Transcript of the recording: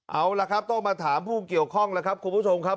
เอาล่ะครับต้องมาถามผู้เกี่ยวข้องแล้วครับคุณผู้ชมครับ